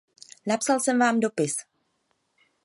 Napsal jsem vám dopis.